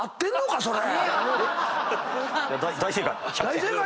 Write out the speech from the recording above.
大正解。